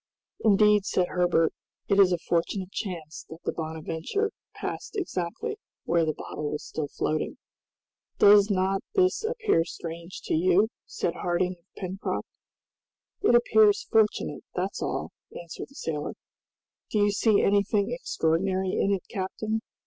"Indeed," said Herbert, "it is a fortunate chance that the 'Bonadventure' passed exactly where the bottle was still floating!" "Does not this appear strange to you?" asked Harding of Pencroft. "It appears fortunate, that's all," answered the sailor. "Do you see anything extraordinary in it, captain?